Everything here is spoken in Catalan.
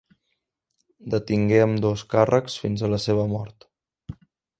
Detingué ambdós càrrecs fins a la seva mort.